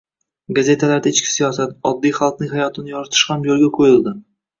gazetalarda ichki siyosat, oddiy xalqning hayotini yoritish ham yo‘lga qo‘yildi.